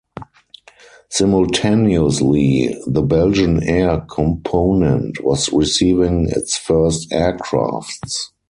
Simultaneously, the Belgian Air Component was receiving its first aircrafts.